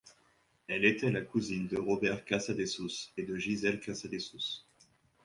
Elle était la cousine de Robert Casadesus et de Gisèle Casadesus.